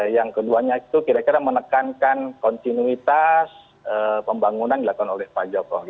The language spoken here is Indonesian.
yang keduanya itu kira kira menekankan kontinuitas pembangunan dilakukan oleh pak jokowi